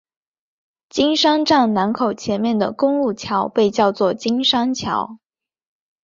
金山站南口前面的公路桥被叫做金山桥。